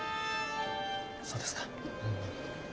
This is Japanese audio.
そうですか。